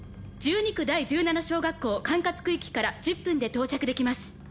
１２区第１７小学校管轄区域から１０分で到着できます